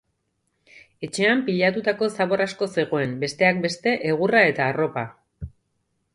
Etxean pilatutako zabor asko zegoen, besteak beste, egurra eta arropa.